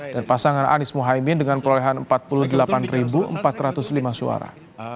dan pasangan anies muhaymin dengan kelelahan empat puluh delapan empat ratus lima suara